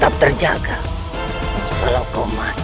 apa yang dilakukan